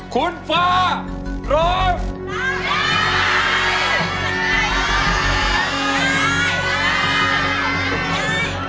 คุณฟ้าร้องได้